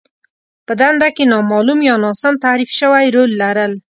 په دنده کې نامالوم يا ناسم تعريف شوی رول لرل.